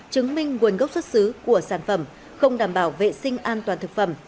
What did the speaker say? chứng minh nguồn gốc xuất xứ của sản phẩm không đảm bảo vệ sinh an toàn thực phẩm